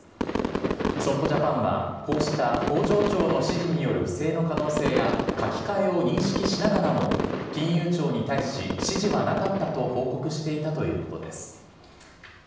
損保ジャパンはこうした工場長の指示による不正の可能性や書き換えを認識しながらも金融庁に対し、指示はなかったと報告していたということです。